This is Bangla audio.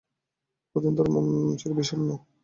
কদিন ধরে মন ছিল বিষণ্ণ।